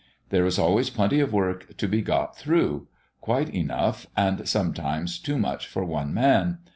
There is always plenty of work to be got through quite enough, and sometimes too much for one man.